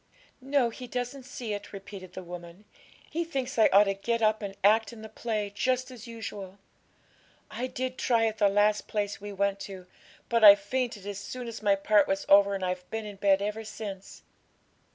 'No; he doesn't see it,' repeated the woman; 'he thinks I ought to get up and act in the play, just as usual. I did try at the last place we went to; but I fainted as soon as my part was over, and I've been in bed ever since.'